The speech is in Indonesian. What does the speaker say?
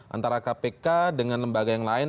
antara kpk dengan lembaga yang lain